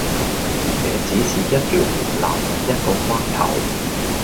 這只是一條門檻，一個關頭。